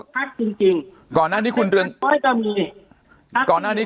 มีทุกภาคจริงจริงก่อนหน้านี้คุณเรืองภาคก็มีภาคมีสองเสียงอะไรเนี่ย